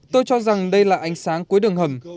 tôi cho rằng đây là ánh sáng cuối đường hầm